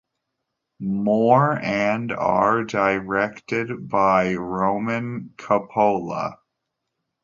More' and are directed by Roman Coppola.